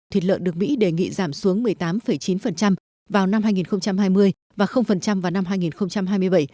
thịt lợn được mỹ đề nghị giảm xuống một mươi tám chín vào năm hai nghìn hai mươi và vào năm hai nghìn hai mươi bảy